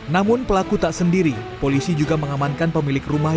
namun pelaku tak sendiri polisi juga mengamankan pemilik rumah